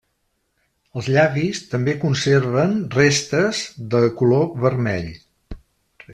Els llavis també conserven restes de color vermell.